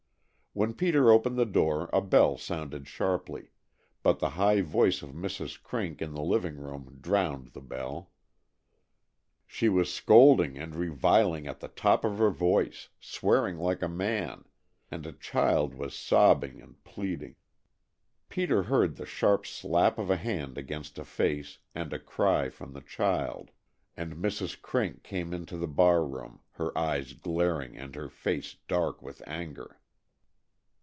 When Peter opened the door a bell sounded sharply, but the high voice of Mrs. Crink in the living room drowned the bell. She was scolding and reviling at the top of her voice swearing like a man and a child was sobbing and pleading. Peter heard the sharp slap of a hand against a face, and a cry from the child, and Mrs. Crink came into the bar room, her eyes glaring and her face dark with anger.